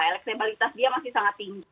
elektabilitas dia masih sangat tinggi